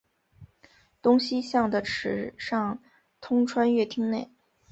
东西向的池上通穿越町内。